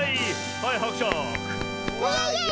はいはくしゃく。